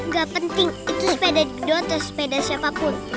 gak penting itu sepeda di kedua atau sepeda siapapun